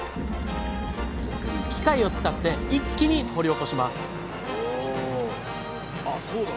機械を使って一気に掘り起こします！